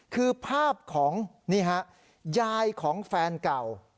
คือภาพของนี่ฮะยายของแฟนเก่า